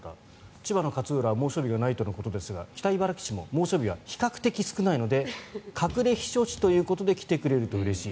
千葉の勝浦は猛暑日がないとのことですが北茨城市も猛暑日は比較的少ないので隠れ避暑地ということで来てくれるとうれしい。